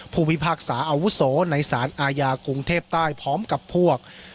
พิพากษาอาวุโสในสารอาญากรุงเทพใต้พร้อมกับพวก